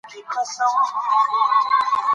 سندرې د ټولنیزې انزوا مخه نیسي.